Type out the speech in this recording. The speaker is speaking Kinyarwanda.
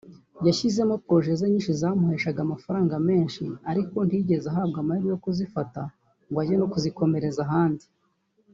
yasizemo projects ze nyinshi zamuheshaga amafaranga menshi ariko ntiyigeze ahabwa amahirwe yo kuzifata ngo ajye no kuzikomereza ahandi